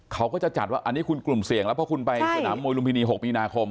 เขาก็จะจัดว่าอันนี้คุณกลุ่มเสี่ยงแล้วเพราะคุณไปสนามมวยลุมพินี๖มีนาคม